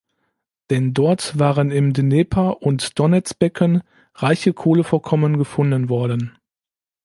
Denn dort waren im Dnepr- und Donezbecken reiche Kohlevorkommen gefunden worden.